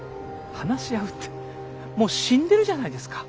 話し合うってもう死んでるじゃないですか。